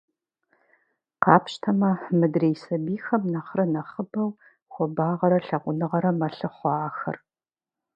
Къапщтэмэ, мыдрей сабийхэм нэхърэ нэхъыбэу хуабагъэрэ лъагъуныгъэрэ мэлъыхъуэ ахэр.